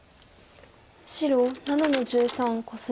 白７の十三コスミ。